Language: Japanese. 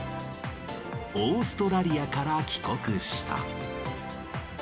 オーストラリアから帰国した。